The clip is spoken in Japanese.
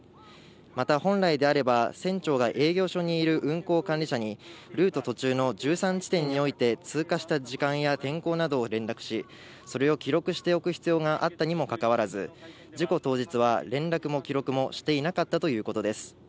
また本来であれば船長が営業所にいる運航管理者にルート途中の１３地点において通過した時間や天候などを連絡し、それを記録しておく必要があったにもかかわらず、事故当日は連絡も記録もしていなかったということです。